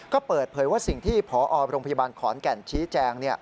ก็เปิดเผยว่าสิ่งที่พอประคแก่นชีแจง